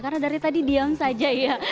karena dari tadi diam saja ya